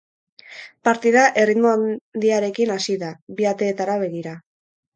Partida erritmo handiarekin hasi da, bi ateetara begira.